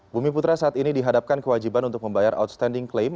bumi putra saat ini dihadapkan kewajiban untuk membayar outstanding klaim